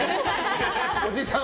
おじさん